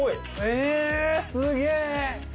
えすげえ！